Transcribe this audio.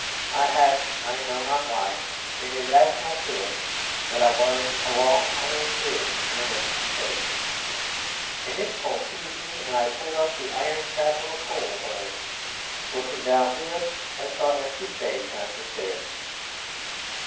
I had, I know not why, an irrational feeling that I was a long iron bridge in empty space. An impulse seized me, and I pulled up the iron trap of a coal hole. Looking down through it I saw empty space and the stairs.